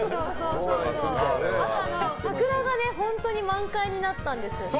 あと桜が本当に満開になったんですよね。